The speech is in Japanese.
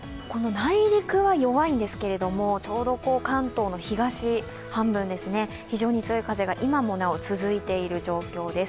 内陸は弱いんですけれどもちょうど関東の東半分、非常に強い風が今もなお続いている状況です。